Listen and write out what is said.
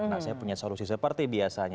nah saya punya solusi seperti biasanya